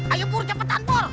ayo pur cepetan pur